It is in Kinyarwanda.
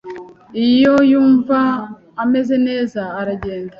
Iyo yumva ameze neza, aragenda.